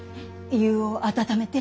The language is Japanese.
湯を温めて。